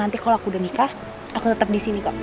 nanti kalau aku udah nikah aku tetap di sini pak